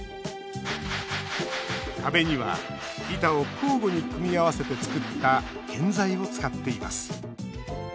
壁には板を交互に組み合わせてつくった建材を使っています。